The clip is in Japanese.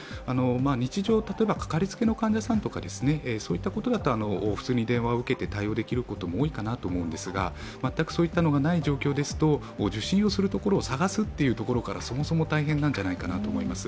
日常、例えばかかりつけの患者さんということだと、普通に電話を受けて対応できることも多いかなと思うんですが、全くそういったのがない状況ですと受診をするところを探すというところから、そもそも大変なんじゃないかなと思います。